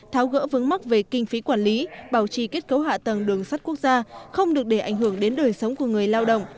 tháo gỡ vướng mắc về kinh phí quản lý bảo trì kết cấu hạ tầng đường sắt quốc gia không được để ảnh hưởng đến đời sống của người lao động